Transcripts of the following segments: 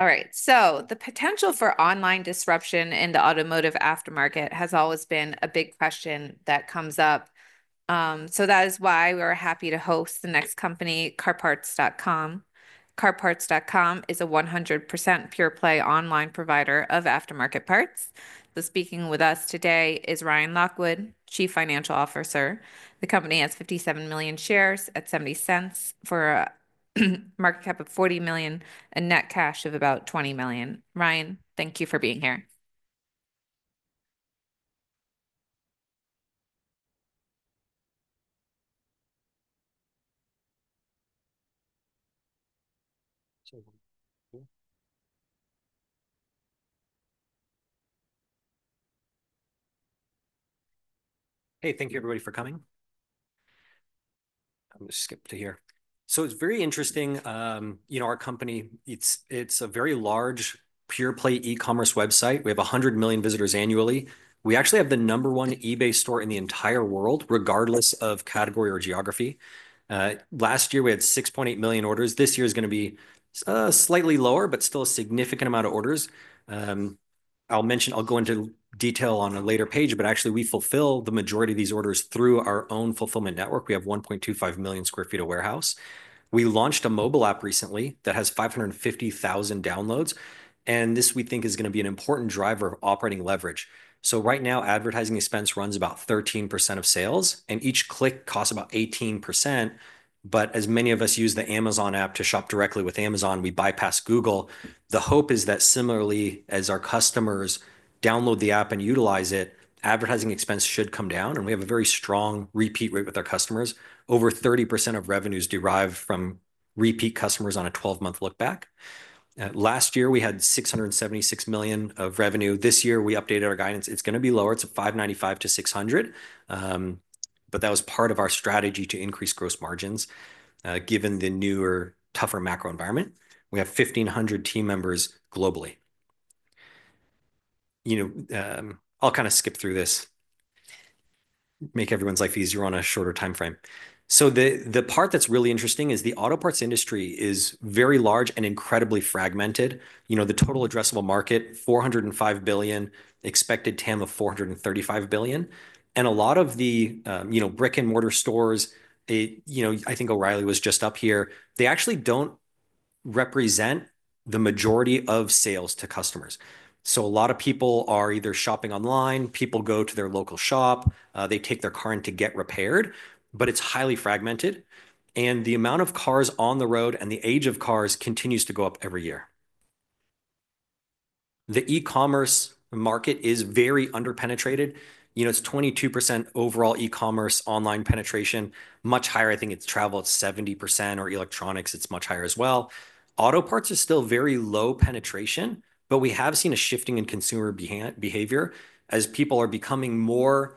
All right, so the potential for online disruption in the automotive aftermarket has always been a big question that comes up. So that is why we're happy to host the next company, CarParts.com. CarParts.com is a 100% pure-play online provider of aftermarket parts. So speaking with us today is Ryan Lockwood, Chief Financial Officer. The company has 57 million shares at $0.70 for a market cap of $40 million and net cash of about $20 million. Ryan, thank you for being here. Hey, thank you everybody for coming. I'm going to skip to here. So it's very interesting. You know, our company, it's a very large pure-play e-commerce website. We have 100 million visitors annually. We actually have the number one eBay store in the entire world, regardless of category or geography. Last year we had 6.8 million orders. This year is going to be slightly lower, but still a significant amount of orders. I'll mention, I'll go into detail on a later page, but actually we fulfill the majority of these orders through our own fulfillment network. We have 1.25 million sq ft of warehouse. We launched a mobile app recently that has 550,000 downloads. And this we think is going to be an important driver of operating leverage. So right now, advertising expense runs about 13% of sales, and each click costs about 18%. But as many of us use the Amazon app to shop directly with Amazon, we bypass Google. The hope is that similarly, as our customers download the app and utilize it, advertising expense should come down. And we have a very strong repeat rate with our customers. Over 30% of revenues derive from repeat customers on a 12-month lookback. Last year we had $676 million of revenue. This year we updated our guidance. It's going to be lower. It's $595 million-$600 million, but that was part of our strategy to increase gross margins, given the newer, tougher macro environment. We have 1,500 team members globally. You know, I'll kind of skip through this. Make everyone's life easier on a shorter time frame. So the part that's really interesting is the auto parts industry is very large and incredibly fragmented. You know, the total addressable market, $405 billion, expected TAM of $435 billion. A lot of the, you know, brick and mortar stores, you know, I think O'Reilly was just up here, they actually don't represent the majority of sales to customers. So a lot of people are either shopping online, people go to their local shop, they take their car in to get repaired, but it's highly fragmented. And the amount of cars on the road and the age of cars continues to go up every year. The e-commerce market is very underpenetrated. You know, it's 22% overall e-commerce online penetration, much higher. I think it's travel at 70% or electronics. It's much higher as well. Auto parts are still very low penetration, but we have seen a shifting in consumer behavior as people are becoming more,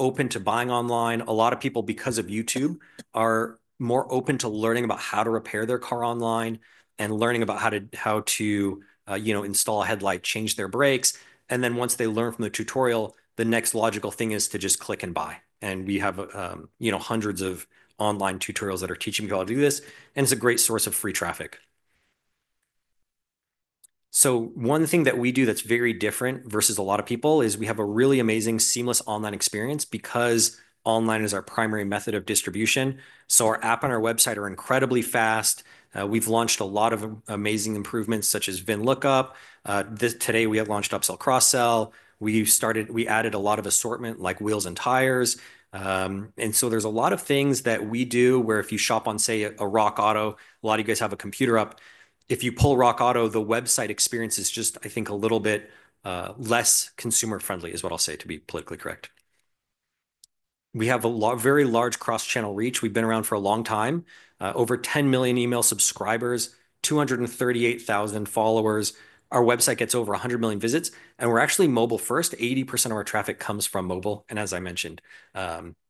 open to buying online. A lot of people, because of YouTube, are more open to learning about how to repair their car online and learning about how to, you know, install a headlight, change their brakes. And then once they learn from the tutorial, the next logical thing is to just click and buy. And we have, you know, hundreds of online tutorials that are teaching people how to do this. And it's a great source of free traffic. So one thing that we do that's very different versus a lot of people is we have a really amazing seamless online experience because online is our primary method of distribution. So our app and our website are incredibly fast. We've launched a lot of amazing improvements such as VIN Lookup. Today we have launched Upsell and cross-sell. We started, we added a lot of assortment like wheels and tires. And so there's a lot of things that we do where if you shop on, say, a RockAuto, a lot of you guys have a computer up. If you pull RockAuto, the website experience is just, I think, a little bit, less consumer-friendly is what I'll say to be politically correct. We have a very large cross-channel reach. We've been around for a long time. Over 10 million email subscribers, 238,000 followers. Our website gets over 100 million visits. And we're actually mobile-first. 80% of our traffic comes from mobile. And as I mentioned,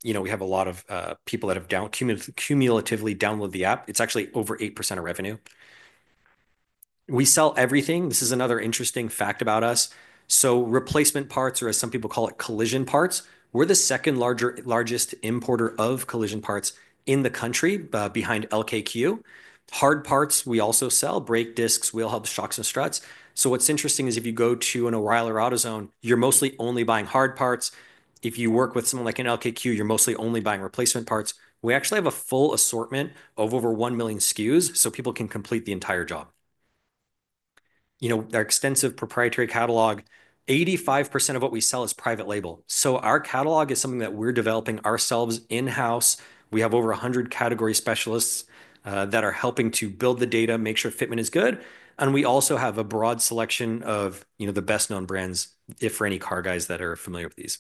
you know, we have a lot of, people that have cumulatively downloaded the app. It's actually over 8% of revenue. We sell everything. This is another interesting fact about us. So replacement parts, or as some people call it, collision parts, we're the second largest importer of collision parts in the country, behind LKQ. Hard parts we also sell: brake discs, wheel hubs, shocks, and struts. So what's interesting is if you go to an O'Reilly or AutoZone, you're mostly only buying hard parts. If you work with someone like an LKQ, you're mostly only buying replacement parts. We actually have a full assortment of over 1 million SKUs, so people can complete the entire job. You know, our extensive proprietary catalog, 85% of what we sell is private label. So our catalog is something that we're developing ourselves in-house. We have over 100 category specialists, that are helping to build the data, make sure fitment is good. And we also have a broad selection of, you know, the best-known brands, if for any car guys that are familiar with these.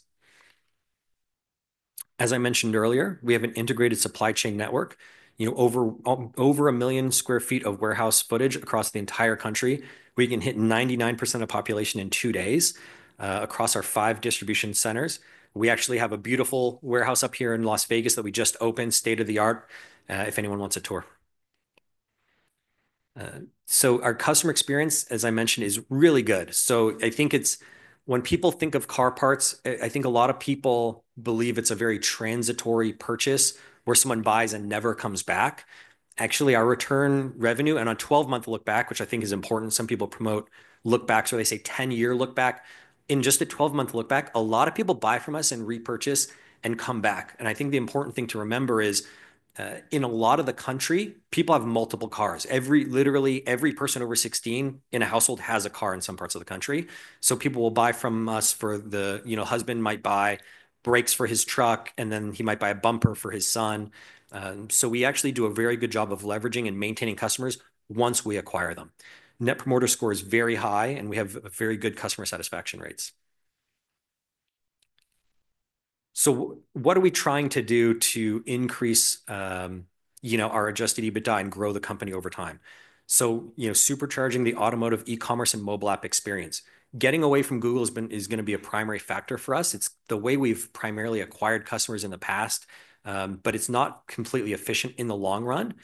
As I mentioned earlier, we have an integrated supply chain network. You know, over 1 million sq ft of warehouse footage across the entire country. We can hit 99% of population in two days, across our five distribution centers. We actually have a beautiful warehouse up here in Las Vegas that we just opened, state of the art, if anyone wants a tour, so our customer experience, as I mentioned, is really good, so I think it's, when people think of car parts, I think a lot of people believe it's a very transitory purchase where someone buys and never comes back. Actually, our return revenue, and on 12-month lookback, which I think is important, some people promote lookbacks, or they say 10-year lookback. In just a 12-month lookback, a lot of people buy from us and repurchase and come back, and I think the important thing to remember is, in a lot of the country, people have multiple cars. Every, literally every person over 16 in a household has a car in some parts of the country. So people will buy from us for the, you know, husband might buy brakes for his truck, and then he might buy a bumper for his son. So we actually do a very good job of leveraging and maintaining customers once we acquire them. Net Promoter Score is very high, and we have very good customer satisfaction rates. So what are we trying to do to increase, you know, our adjusted EBITDA and grow the company over time? So, you know, supercharging the automotive e-commerce and mobile app experience. Getting away from Google has been, is going to be a primary factor for us. It's the way we've primarily acquired customers in the past, but it's not completely efficient in the long run,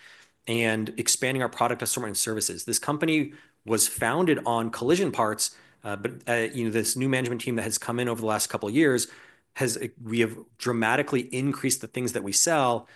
and expanding our product assortment and services. This company was founded on collision parts, but, you know, this new management team that has come in over the last couple of years has, we have dramatically increased the things that we sell,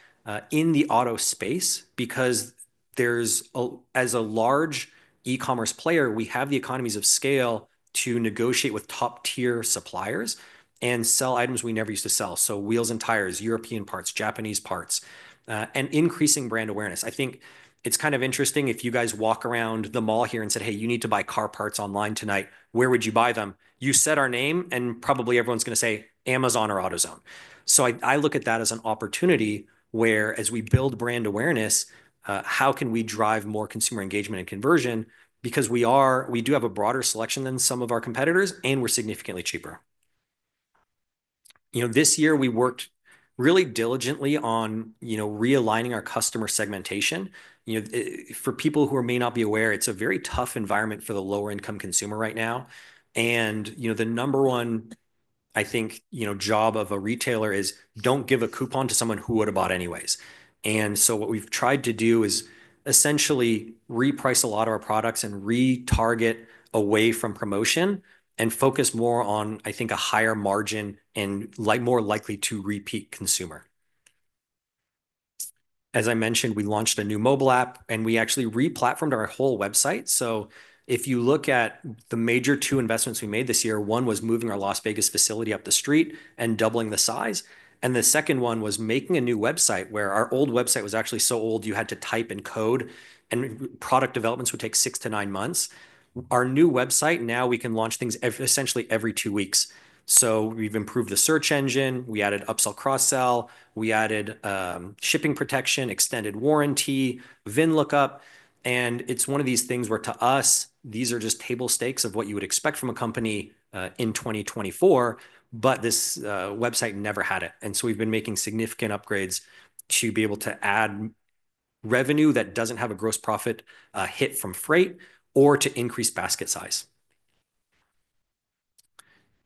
in the auto space because there's, as a large e-commerce player, we have the economies of scale to negotiate with top-tier suppliers and sell items we never used to sell. So wheels and tires, European parts, Japanese parts, and increasing brand awareness. I think it's kind of interesting if you guys walk around the mall here and said, "Hey, you need to buy car parts online tonight. Where would you buy them?" You said our name, and probably everyone's going to say Amazon or AutoZone. So I look at that as an opportunity where, as we build brand awareness, how can we drive more consumer engagement and conversion? Because we are, we do have a broader selection than some of our competitors, and we're significantly cheaper. You know, this year we worked really diligently on, you know, realigning our customer segmentation. You know, for people who may not be aware, it's a very tough environment for the lower-income consumer right now. And, you know, the number one, I think, you know, job of a retailer is don't give a coupon to someone who would have bought anyways. And so what we've tried to do is essentially reprice a lot of our products and retarget away from promotion and focus more on, I think, a higher margin and more likely to repeat consumer. As I mentioned, we launched a new mobile app, and we actually replatformed our whole website. So if you look at the major two investments we made this year, one was moving our Las Vegas facility up the street and doubling the size. And the second one was making a new website where our old website was actually so old you had to type and code, and product developments would take six to nine months. Our new website, now we can launch things essentially every two weeks. So we've improved the search engine. We added Upsell Cross-Sell. We added shipping protection, extended warranty, VIN Lookup. And it's one of these things where, to us, these are just table stakes of what you would expect from a company, in 2024, but this website never had it. And so we've been making significant upgrades to be able to add revenue that doesn't have a gross profit hit from freight or to increase basket size.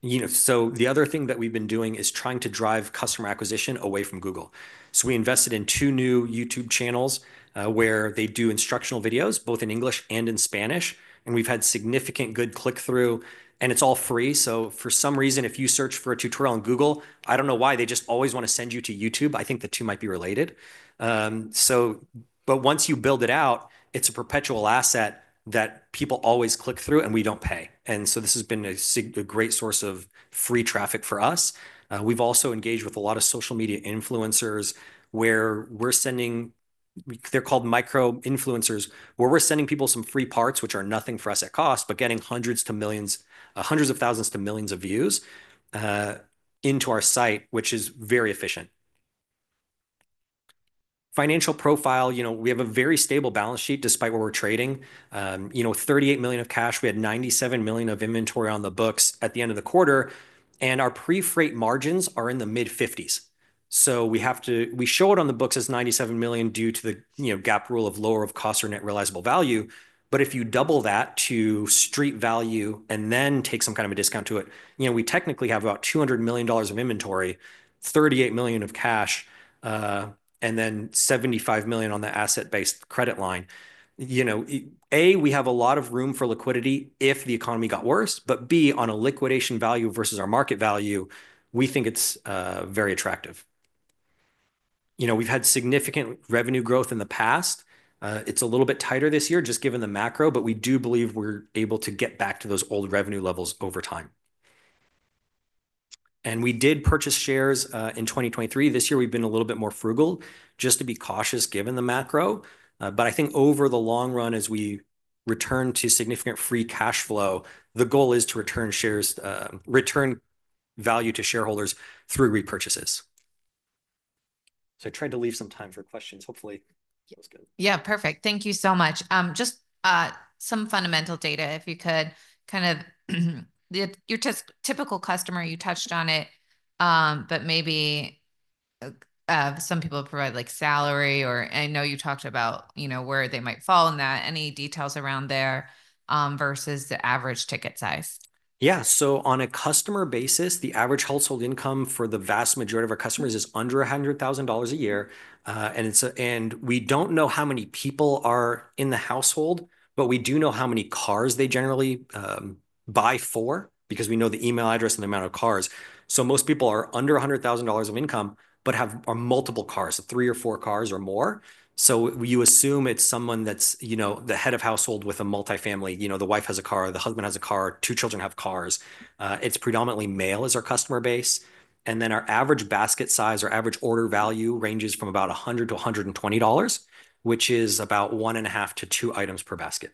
You know, so the other thing that we've been doing is trying to drive customer acquisition away from Google, so we invested in two new YouTube channels, where they do instructional videos, both in English and in Spanish, and we've had significant good click-through, and it's all free, so for some reason, if you search for a tutorial on Google, I don't know why they just always want to send you to YouTube. I think the two might be related, so but once you build it out, it's a perpetual asset that people always click through, and we don't pay, and so this has been a great source of free traffic for us. We've also engaged with a lot of social media influencers where we're sending, they're called micro influencers, where we're sending people some free parts, which are nothing for us at cost, but getting hundreds to millions, hundreds of thousands to millions of views, into our site, which is very efficient. Financial profile, you know, we have a very stable balance sheet despite what we're trading. You know, $38 million of cash. We had $97 million of inventory on the books at the end of the quarter. And our pre-freight margins are in the mid-50%s. We have to--we show it on the books as $97 million due to the, you know, GAAP rule of lower of cost or net realizable value. But if you double that to street value and then take some kind of a discount to it, you know, we technically have about $200 million of inventory, $38 million of cash, and then $75 million on the asset-based credit line. You know, A, we have a lot of room for liquidity if the economy got worse, but B, on a liquidation value versus our market value, we think it's very attractive. You know, we've had significant revenue growth in the past. It's a little bit tighter this year just given the macro, but we do believe we're able to get back to those old revenue levels over time. And we did purchase shares in 2023. This year we've been a little bit more frugal just to be cautious given the macro. But I think over the long run, as we return to significant free cash flow, the goal is to return shares, return value to shareholders through repurchases. So I tried to leave some time for questions. Hopefully that was good. Yeah, perfect. Thank you so much. Just, some fundamental data, if you could kind of, your typical customer, you touched on it, but maybe, some people provide like salary or I know you talked about, you know, where they might fall in that, any details around there, versus the average ticket size. Yeah, so on a customer basis, the average household income for the vast majority of our customers is under $100,000 a year. And it's, and we don't know how many people are in the household, but we do know how many cars they generally, buy for because we know the email address and the amount of cars. So most people are under $100,000 of income, but have multiple cars, three or four cars or more. So you assume it's someone that's, you know, the head of household with a multifamily, you know, the wife has a car, the husband has a car, two children have cars. It's predominantly male as our customer base. And then our average basket size or average order value ranges from about $100-$120, which is about one and a half to two items per basket.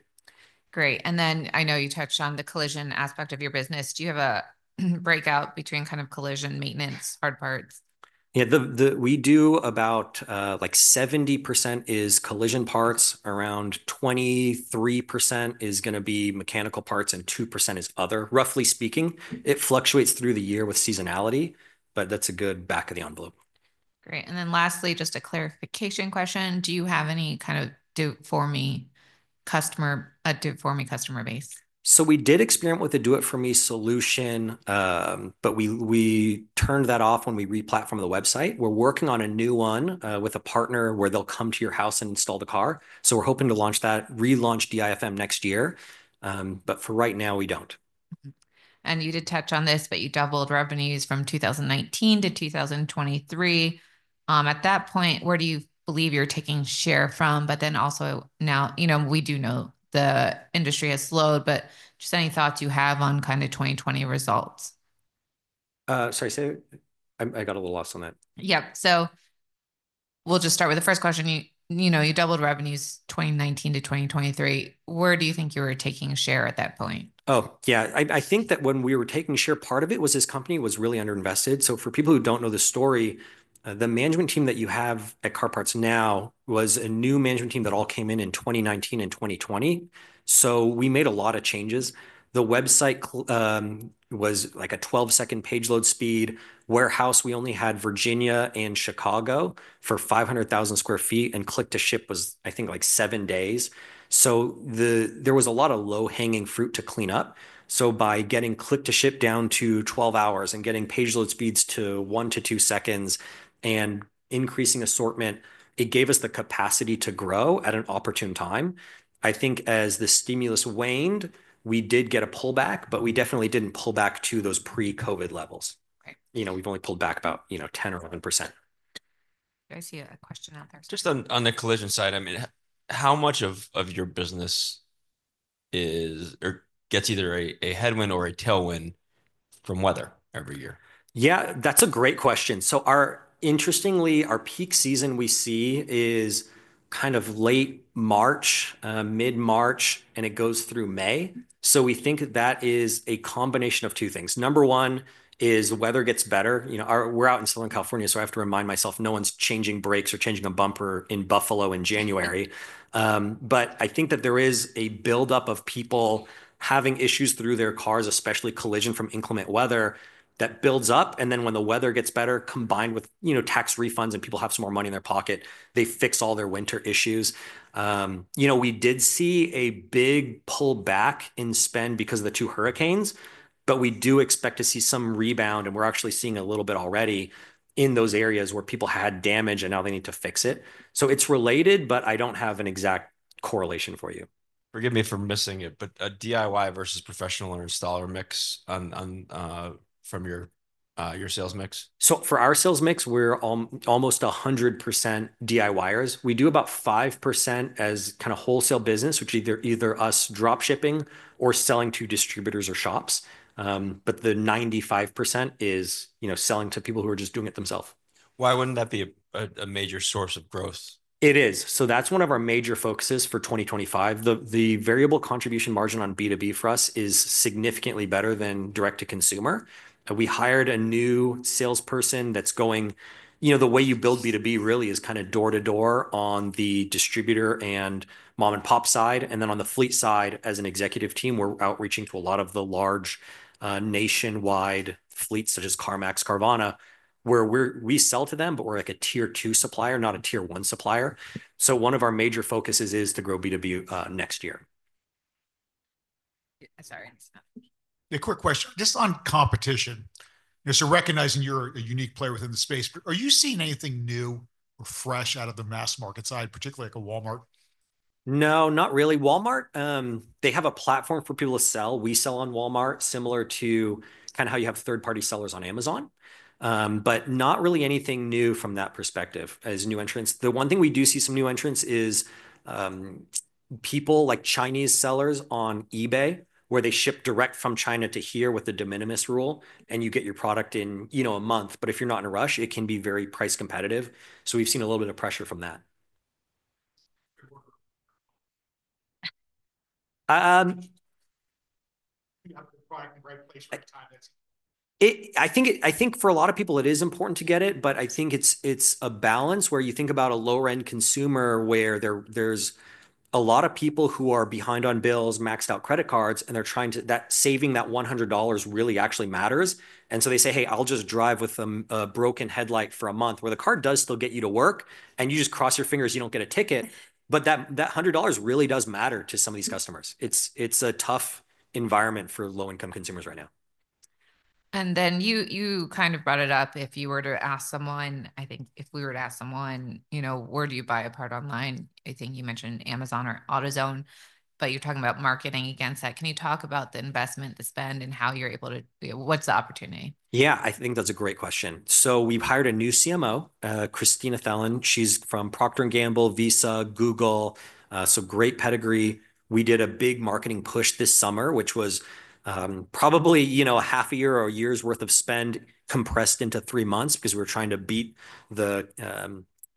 Great. And then I know you touched on the collision aspect of your business. Do you have a breakout between kind of collision, maintenance, hard parts? Yeah, the we do about, like 70% is collision parts, around 23% is going to be mechanical parts, and 2% is other, roughly speaking. It fluctuates through the year with seasonality, but that's a good back of the envelope. Great. And then lastly, just a clarification question. Do you have any kind of do it for me customer, a do it for me customer base? We did experiment with a do it for me solution, but we turned that off when we replatformed the website. We're working on a new one, with a partner where they'll come to your house and install the car. So we're hoping to launch that, relaunch DIFM next year. But for right now, we don't. And you did touch on this, but you doubled revenues from 2019 to 2023. At that point, where do you believe you're taking share from? But then also now, you know, we do know the industry has slowed, but just any thoughts you have on kind of 2020 results? Sorry, say I got a little lost on that. Yep. So we'll just start with the first question. You, you know, you doubled revenues 2019 to 2023. Where do you think you were taking share at that point? Oh, yeah. I think that when we were taking share, part of it was this company was really underinvested. So for people who don't know the story, the management team that you have at CarParts.com now was a new management team that all came in in 2019 and 2020. So we made a lot of changes. The website was like a 12-second page load speed. Warehouse, we only had Virginia and Chicago for 500,000 sq ft, and click-to-ship was, I think, like seven days. So there was a lot of low-hanging fruit to clean up. So by getting click-to-ship down to 12 hours and getting page load speeds to one to two seconds and increasing assortment, it gave us the capacity to grow at an opportune time. I think as the stimulus waned, we did get a pullback, but we definitely didn't pull back to those pre-COVID levels. You know, we've only pulled back about, you know, 10% or 11%. I see a question out there. Just on the collision side, I mean, how much of your business is or gets either a headwind or a tailwind from weather every year? Yeah, that's a great question. So, interestingly, our peak season we see is kind of late March, mid-March, and it goes through May. So we think that is a combination of two things. Number one is weather gets better. You know, we're out in Southern California, so I have to remind myself no one's changing brakes or changing a bumper in Buffalo in January. But I think that there is a buildup of people having issues through their cars, especially collision from inclement weather that builds up. And then when the weather gets better, combined with, you know, tax refunds and people have some more money in their pocket, they fix all their winter issues. You know, we did see a big pullback in spend because of the two hurricanes, but we do expect to see some rebound, and we're actually seeing a little bit already in those areas where people had damage and now they need to fix it. So it's related, but I don't have an exact correlation for you. Forgive me for missing it, but a DIY versus professional or installer mix on from your sales mix? So for our sales mix, we're almost 100% DIYers. We do about 5% as kind of wholesale business, which is either us dropshipping or selling to distributors or shops. But the 95% is, you know, selling to people who are just doing it themselves. Why wouldn't that be a major source of growth? It is. So that's one of our major focuses for 2025. The variable contribution margin on B2B for us is significantly better than direct-to-consumer. We hired a new salesperson that's going, you know, the way you build B2B really is kind of door-to-door on the distributor and mom-and-pop side. And then on the fleet side, as an executive team, we're outreaching to a lot of the large, nationwide fleets, such as CarMax, Carvana, where we sell to them, but we're like a tier two supplier, not a tier one supplier. So one of our major focuses is to grow B2B, next year. A quick question just on competition. You know, so recognizing you're a unique player within the space, are you seeing anything new or fresh out of the mass market side, particularly like a Walmart? No, not really. Walmart, they have a platform for people to sell. We sell on Walmart, similar to kind of how you have third-party sellers on Amazon. But not really anything new from that perspective as new entrants. The one thing we do see some new entrants is, people like Chinese sellers on eBay, where they ship direct from China to here with the de minimis rule, and you get your product in, you know, a month. But if you're not in a rush, it can be very price competitive. So we've seen a little bit of pressure from that. You have the product in the right place for the time it's. I think for a lot of people, it is important to get it, but I think it's a balance where you think about a lower-end consumer where there's a lot of people who are behind on bills, maxed out credit cards, and they're trying to save that $100 really actually matters. And so they say, hey, I'll just drive with a broken headlight for a month where the car does still get you to work and you just cross your fingers you don't get a ticket. But that $100 really does matter to some of these customers. It's a tough environment for low-income consumers right now. And then you kind of brought it up. If you were to ask someone, you know, where do you buy a part online? I think you mentioned Amazon or AutoZone, but you're talking about marketing against that. Can you talk about the investment, the spend, and how you're able to, what's the opportunity? Yeah, I think that's a great question. So we've hired a new CMO, Christina Thelin. She's from Procter & Gamble, Visa, Google, so great pedigree. We did a big marketing push this summer, which was, probably, you know, a half a year or a year's worth of spend compressed into three months because we were trying to beat the,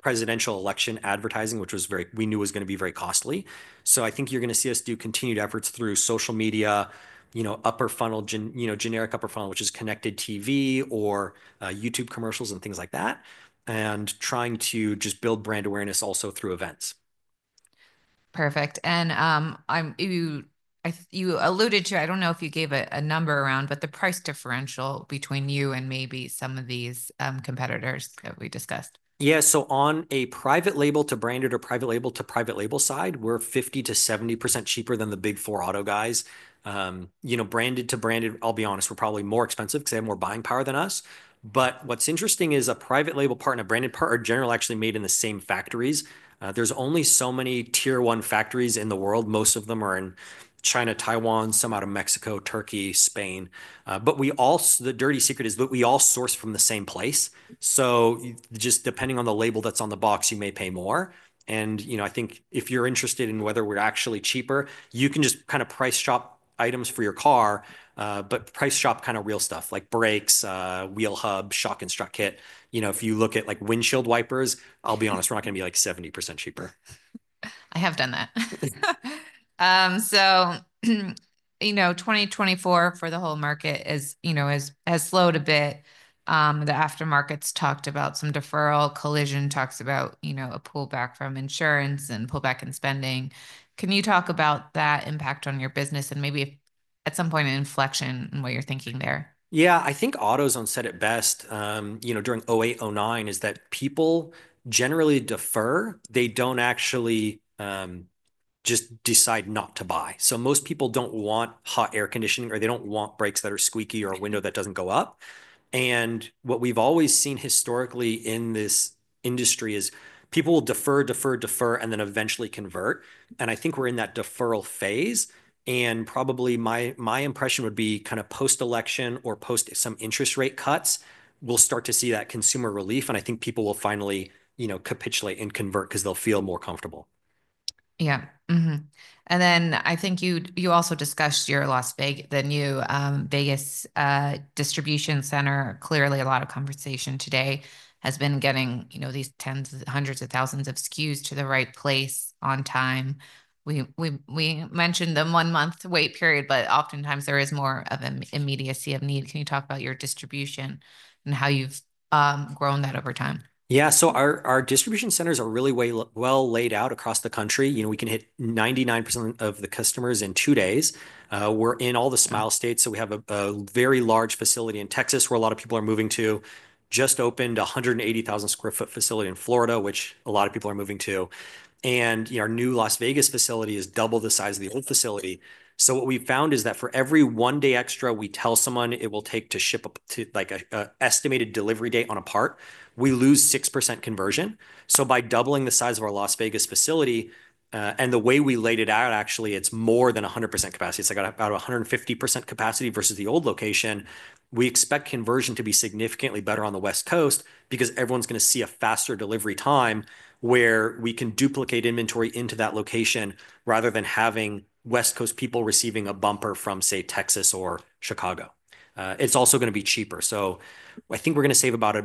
presidential election advertising, which was very, we knew was going to be very costly. So I think you're going to see us do continued efforts through social media, you know, upper funnel, you know, generic upper funnel, which is connected TV or, YouTube commercials and things like that, and trying to just build brand awareness also through events. Perfect. I think you alluded to. I don't know if you gave a number around, but the price differential between you and maybe some of these competitors that we discussed. Yeah. So on a private label to branded or private label to private label side, we're 50%-70% cheaper than the big four auto guys. You know, branded to branded, I'll be honest, we're probably more expensive because they have more buying power than us. But what's interesting is a private label part and a branded part are generally actually made in the same factories. There's only so many Tier 1 factories in the world. Most of them are in China, Taiwan, some out of Mexico, Turkey, Spain. But we all, the dirty secret is that we all source from the same place. So just depending on the label that's on the box, you may pay more. And you know, I think if you're interested in whether we're actually cheaper, you can just kind of price shop items for your car, but price shop kind of real stuff like brakes, wheel hub, shock and strut kit. You know, if you look at like windshield wipers, I'll be honest, we're not going to be like 70% cheaper. I have done that. So you know, 2024 for the whole market is, you know, has slowed a bit. The aftermarket's talked about some deferral. Collision talks about, you know, a pullback from insurance and pullback in spending. Can you talk about that impact on your business and maybe at some point an inflection in what you're thinking there? Yeah, I think AutoZone said it best, you know, during 2008, 2009 is that people generally defer. They don't actually just decide not to buy. Most people don't want hot air conditioning or they don't want brakes that are squeaky or a window that doesn't go up. What we've always seen historically in this industry is people will defer, defer, defer, and then eventually convert. I think we're in that deferral phase. Probably my impression would be kind of post-election or post some interest rate cuts, we'll start to see that consumer relief. I think people will finally, you know, capitulate and convert because they'll feel more comfortable. Yeah. Then I think you also discussed your Las Vegas, the new Vegas, distribution center. Clearly, a lot of conversation today has been getting, you know, these tens, hundreds of thousands of SKUs to the right place on time. We mentioned the one-month wait period, but oftentimes there is more of an immediacy of need. Can you talk about your distribution and how you've grown that over time? Yeah. So our distribution centers are really way well laid out across the country. You know, we can hit 99% of the customers in two days. We're in all the smile states. So we have a very large facility in Texas where a lot of people are moving to, just opened a 180,000 sq ft facility in Florida, which a lot of people are moving to. And you know, our new Las Vegas facility is double the size of the old facility. So what we found is that for every one day extra we tell someone it will take to ship up to like an estimated delivery date on a part, we lose 6% conversion. So by doubling the size of our Las Vegas facility, and the way we laid it out, actually, it's more than 100% capacity. It's like about 150% capacity versus the old location. We expect conversion to be significantly better on the West Coast because everyone's going to see a faster delivery time where we can duplicate inventory into that location rather than having West Coast people receiving a bumper from, say, Texas or Chicago. It's also going to be cheaper. So I think we're going to save about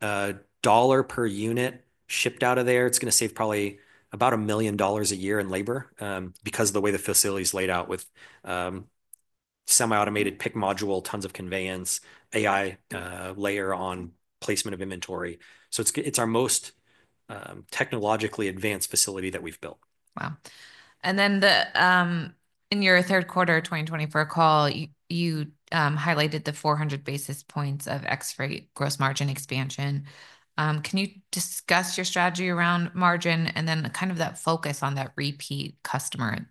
$1 per unit shipped out of there. It's going to save probably about $1 million a year in labor, because of the way the facility is laid out with semi-automated pick module, tons of conveyance, AI, layer on placement of inventory. So it's our most technologically advanced facility that we've built. Wow. And then, in your third quarter 2024 call, you highlighted the 400 basis points of exit rate gross margin expansion. Can you discuss your strategy around margin and then kind of that focus on that repeat customer?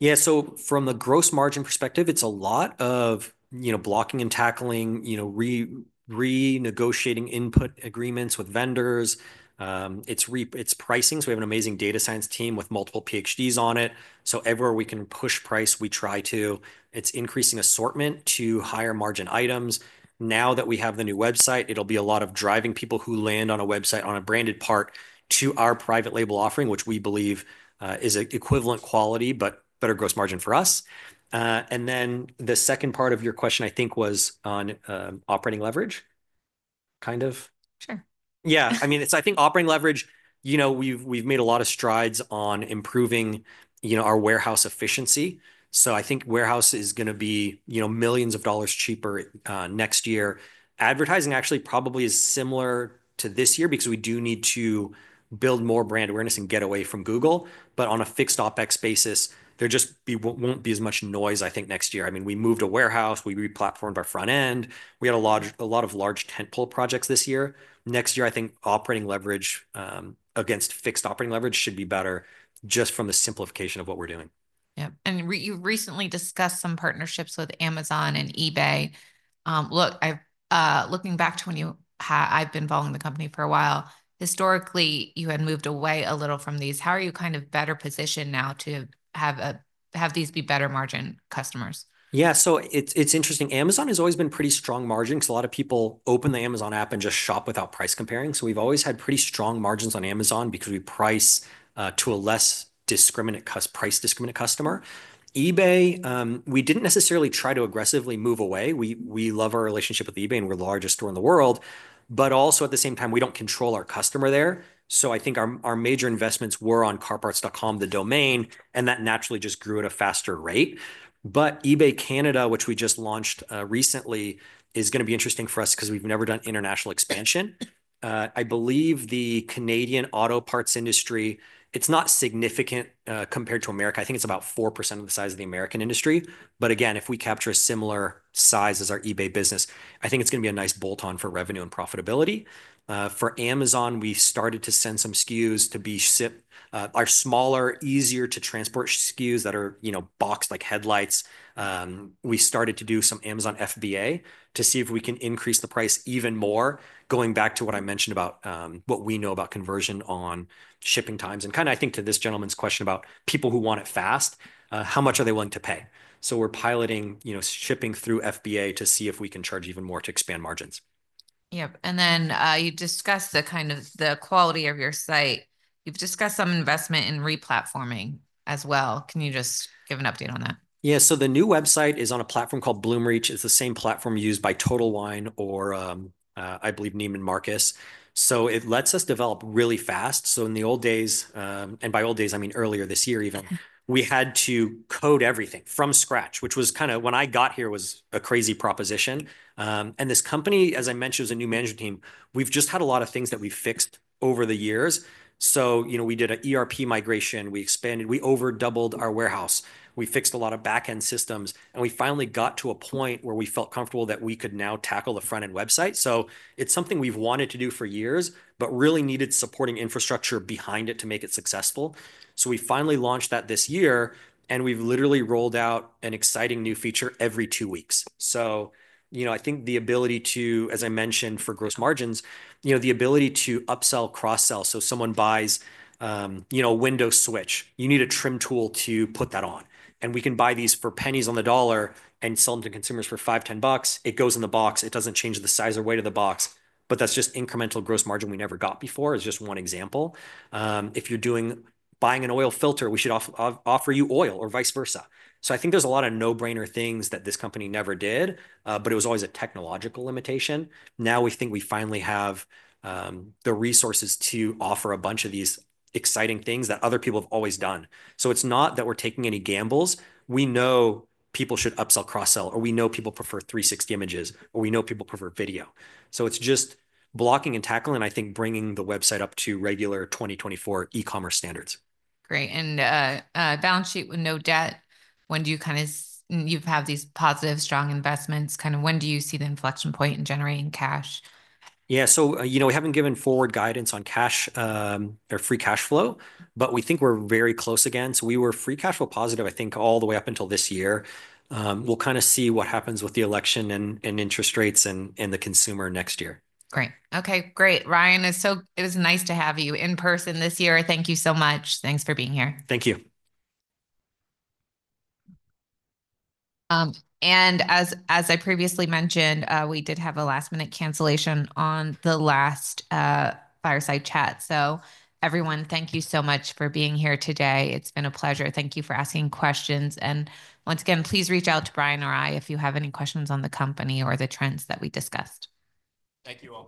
Yeah. So from the gross margin perspective, it's a lot of, you know, blocking and tackling, you know, re-renegotiating input agreements with vendors. It's pricing. So we have an amazing data science team with multiple PhDs on it. So everywhere we can push price, we try to. It's increasing assortment to higher margin items. Now that we have the new website, it'll be a lot of driving people who land on a website on a branded part to our private label offering, which we believe is an equivalent quality, but better gross margin for us. And then the second part of your question, I think, was on operating leverage. Kind of. Sure. Yeah. I mean, it's, I think operating leverage, you know, we've made a lot of strides on improving, you know, our warehouse efficiency. So I think warehouse is going to be, you know, millions of dollars cheaper next year. Advertising actually probably is similar to this year because we do need to build more brand awareness and get away from Google. But on a fixed OpEx basis, there just won't be as much noise, I think, next year. I mean, we moved a warehouse, we replatformed our front end. We had a lot of large tentpole projects this year. Next year, I think operating leverage against fixed operating leverage should be better just from the simplification of what we're doing. Yeah. And you recently discussed some partnerships with Amazon and eBay. Look, I've been following the company for a while. Historically, you had moved away a little from these. How are you kind of better positioned now to have these be better margin customers? Yeah. So it's interesting. Amazon has always been pretty strong margin because a lot of people open the Amazon app and just shop without price comparing. So we've always had pretty strong margins on Amazon because we price to a less discriminate customer, price discriminate customer. eBay, we didn't necessarily try to aggressively move away. We love our relationship with eBay and we're the largest store in the world, but also at the same time, we don't control our customer there. So I think our major investments were on CarParts.com, the domain, and that naturally just grew at a faster rate. But eBay Canada, which we just launched recently, is going to be interesting for us because we've never done international expansion. I believe the Canadian auto parts industry, it's not significant, compared to America. I think it's about 4% of the size of the American industry. But again, if we capture a similar size as our eBay business, I think it's going to be a nice bolt-on for revenue and profitability. For Amazon, we started to send some SKUs to be shipped, our smaller, easier to transport SKUs that are, you know, boxed like headlights. We started to do some Amazon FBA to see if we can increase the price even more, going back to what I mentioned about, what we know about conversion on shipping times. And kind of, I think to this gentleman's question about people who want it fast, how much are they willing to pay? So we're piloting, you know, shipping through FBA to see if we can charge even more to expand margins. Yep. And then, you discussed the kind of the quality of your site. You've discussed some investment in replatforming as well. Can you just give an update on that? Yeah. So the new website is on a platform called Bloomreach. It's the same platform used by Total Wine or, I believe Neiman Marcus. So it lets us develop really fast. So in the old days, and by old days, I mean earlier this year even, we had to code everything from scratch, which was kind of when I got here was a crazy proposition and this company, as I mentioned, it was a new management team. We've just had a lot of things that we've fixed over the years. So, you know, we did an ERP migration. We expanded, we overdoubled our warehouse. We fixed a lot of backend systems. And we finally got to a point where we felt comfortable that we could now tackle the front end website. So it's something we've wanted to do for years, but really needed supporting infrastructure behind it to make it successful. So we finally launched that this year. And we've literally rolled out an exciting new feature every two weeks. So, you know, I think the ability to, as I mentioned, for gross margins, you know, the ability to upsell, cross-sell. So someone buys, you know, a window switch, you need a trim tool to put that on. And we can buy these for pennies on the dollar and sell them to consumers for $5, $10. It goes in the box. It doesn't change the size or weight of the box, but that's just incremental gross margin we never got before. It's just one example. If you're buying an oil filter, we should offer you oil or vice versa. So I think there's a lot of no-brainer things that this company never did, but it was always a technological limitation. Now we think we finally have the resources to offer a bunch of these exciting things that other people have always done. So it's not that we're taking any gambles. We know people should upsell, cross-sell, or we know people prefer 360 images, or we know people prefer video. So it's just blocking and tackling, and I think bringing the website up to regular 2024 e-commerce standards. Great. And balance sheet with no debt. When do you kind of, you've had these positive, strong investments, kind of when do you see the inflection point in generating cash? Yeah. So, you know, we haven't given forward guidance on cash, or free cash flow, but we think we're very close again. So we were free cash flow positive, I think, all the way up until this year. We'll kind of see what happens with the election and interest rates and the consumer next year. Great. Ryan, it was nice to have you in person this year. Thank you so much. Thanks for being here. Thank you. And as I previously mentioned, we did have a last-minute cancellation on the last fireside chat. So everyone, thank you so much for being here today. It's been a pleasure. Thank you for asking questions. Once again, please reach out to Ryan or I if you have any questions on the company or the trends that we discussed. Thank you.